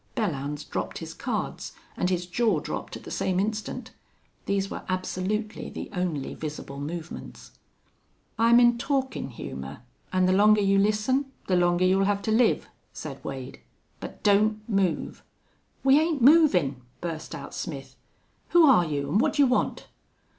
Belllounds dropped his cards, and his jaw dropped at the same instant. These were absolutely the only visible movements. "I'm in talkin' humor, an' the longer you listen the longer you'll have to live," said Wade. "But don't move!" "We ain't movin'," burst out Smith. "Who're you, an' what d'ye want?"